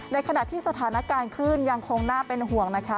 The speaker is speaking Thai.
ในขณะที่สถานการณ์คลื่นยังคงน่าเป็นห่วงนะคะ